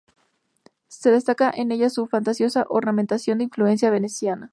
Se destaca en ella su fantasiosa ornamentación, de influencia veneciana.